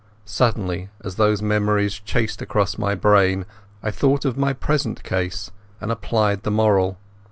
Suddenly as these memories chased across my brain I thought of my present case and applied the moral.